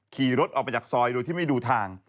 ขี่รถออกไปจากซอยโดยที่ไม่ดูทาง